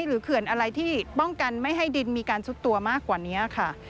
เขื่อนอะไรที่ป้องกันไม่ให้ดินมีการซุดตัวมากกว่านี้ค่ะ